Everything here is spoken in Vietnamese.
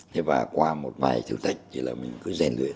thế và qua một vài thử thách thì là mình cứ rèn luyện